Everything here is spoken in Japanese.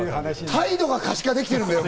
態度が可視化できてる。